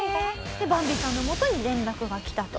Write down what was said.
でバンビさんのもとに連絡がきたと。